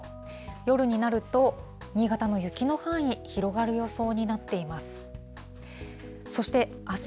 夜になると、新潟の雪の範囲、広がる予想になっています。